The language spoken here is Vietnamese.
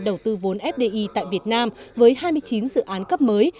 đầu tư vốn fdi tại việt nam với hai mươi chín dự án cấp mới